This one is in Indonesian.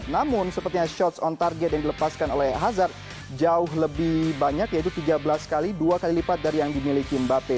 namun sepertinya shots on target yang dilepaskan oleh hazard jauh lebih banyak yaitu tiga belas x dua kali lipat dari yang dimiliki mbappe